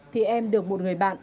thì em được một người bạn